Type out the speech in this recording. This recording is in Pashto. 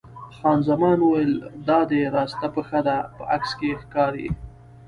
خان زمان وویل: دا دې راسته پښه ده، په عکس کې یې ښکاري.